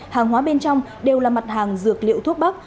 hàng hóa bên trong đều là mặt hàng dược liệu thuốc bắc